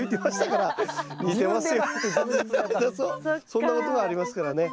そんなことがありますからね。